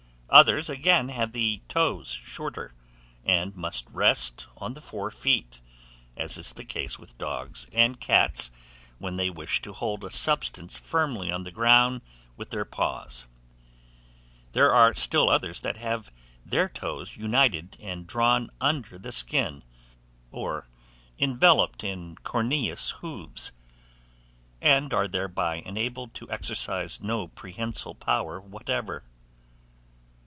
Others, again, have the toes shorter, and must rest on the fore feet, as is the case with dogs and cats when they wish to hold a substance firmly on the ground with their paws. There are still others that have their toes united and drawn under the skin, or enveloped in corneous hoofs, and are thereby enabled to exercise no prehensile power whatever.